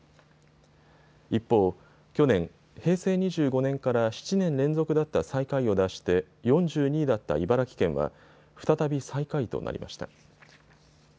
一方、去年、平成２５年から７年連続だった最下位を脱して４２位だった茨城県は再び最下位となりました。